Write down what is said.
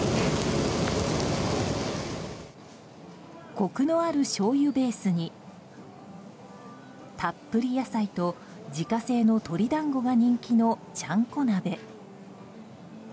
コクのあるしょうゆベースにたっぷり野菜と自家製の鶏団子が人気のちゃんこ鍋。